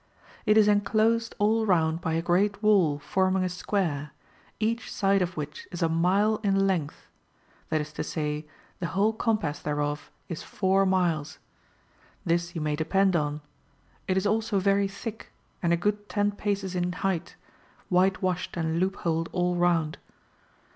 It is enclosed all round by a great wall forming a square, each side of which is a mile in length ; that is to say, the whole compass thereof is four miles. This you may depend on ; it is also very thick, and a good ten paces in height, whitewashed and loop holed all round.'